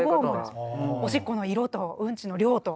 おしっこの色とうんちの量と。